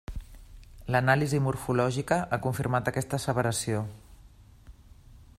L'anàlisi morfològica ha confirmat aquesta asseveració.